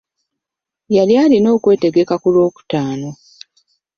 Yali alina okwetegeka ku lwokutaano.